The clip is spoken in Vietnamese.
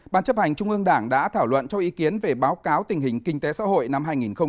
ban chấp hành trung ương đảng đã thảo luận cho ý kiến về báo cáo tình hình kinh tế xã hội năm hai nghìn một mươi chín